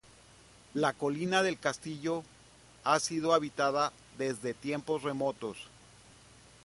La colina del castillo ha sido habitada desde tiempos remotos.